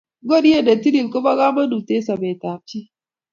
ngoriet ne tilil ko bo kamangut eng sabet ab jii